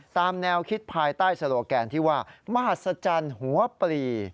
ตามแนวคิดภายใต้โลแกนที่ว่ามหัศจรรย์หัวปลี